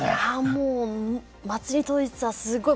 もう祭り当日はすごい